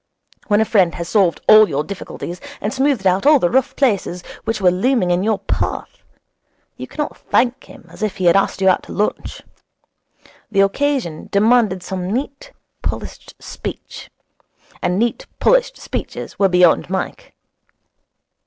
When a friend has solved all your difficulties and smoothed out all the rough places which were looming in your path, you cannot thank him as if he had asked you to lunch. The occasion demanded some neat, polished speech; and neat, polished speeches were beyond Mike.